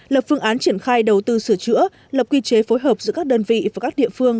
lập phương án triển khai đầu tư sửa chữa lập quy chế phối hợp giữa các đơn vị và các địa phương